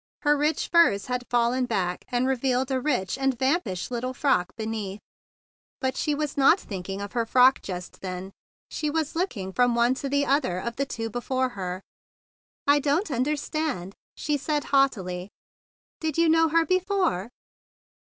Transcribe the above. Her rich furs had fallen back, and revealed a rich and THE BIG BLUE SOLDIER 171 vampish little frock beneath; but she was not thinking of her frock just then. She was looking from one to the other of the two before her. "I don't understand!" she said haughtily. "Did you know her before?"